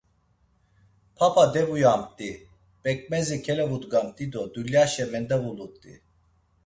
Papa devuyamt̆i, p̌eǩmezi kelevudgamt̆i do dulyaşe mendevulut̆i.